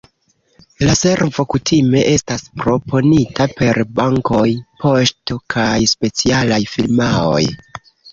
La servo kutime estas proponita per bankoj, poŝto kaj specialaj firmaoj.